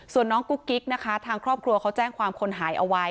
ส่วนน้องกุ๊กกิ๊กนะคะทางครอบครัวเขาแจ้งความคนหายเอาไว้